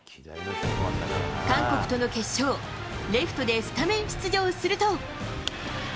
韓国との決勝、レフトでスタメン出場すると。